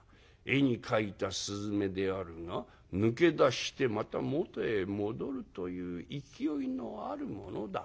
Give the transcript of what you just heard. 絵に描いた雀であるが抜け出してまた元へ戻るという勢いのあるものだ。